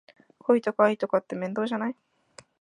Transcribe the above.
恋とか愛とかって面倒じゃない？